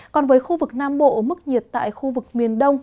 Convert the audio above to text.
còn với khu vực nam bộ mức nhiệt tại khu vực miền đông